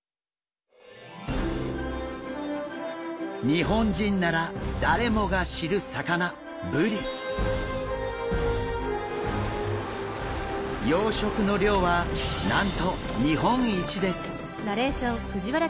日本人なら誰もが知る魚養殖の量はなんと日本一です。